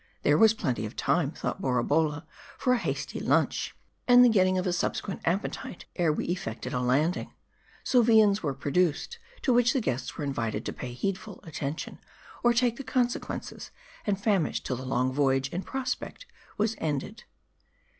There was plenty of time, thought Borabolla, for a hasty lunch, and the getting of a subsequent appetite ere we effected a landing. So viands were pro duced ; to which the guests were invited to pay heedful attention ; or take the consequences, and famish till the long voyage in prospect was ended.